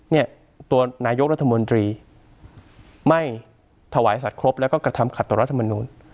เนี่ยตัวนายกรัฐมนตรีไม่ถวายสัตว์ครบแล้วก็กระทำขัดต่อรัฐมนูล